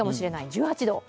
１８度。